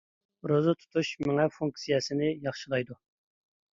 روزا تۇتۇش مېڭە فۇنكسىيەسىنى ياخشىلايدۇ.